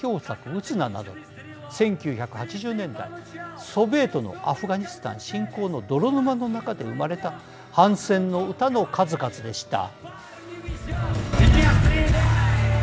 「撃つな」など１９８０年代ソビエトのアフガニスタン侵攻の泥沼の中で生まれた反戦の歌の数々でした。